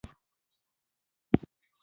پر دې سربېره جنګي کلا هم ځينې مصارف لري.